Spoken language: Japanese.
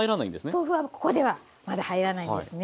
豆腐はここではまだ入らないんですね。